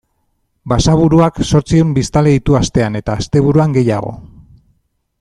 Basaburuak zortziehun biztanle ditu astean eta asteburuan gehiago.